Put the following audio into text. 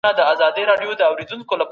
د ژبې ستونزې په چيغو نه حل کيږي.